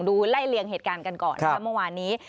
ไล่เลี่ยงเหตุการณ์กันก่อนนะครับเมื่อวานนี้